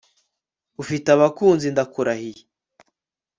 ufite abakunzi ndakurahiriye